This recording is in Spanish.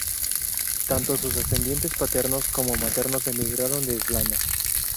Tanto sus ascendientes paternos como maternos emigraron de Irlanda.